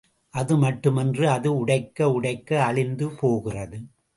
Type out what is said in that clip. அது மட்டுமன்று அது உடைக்க உடைக்க அழிந்து போகிறது.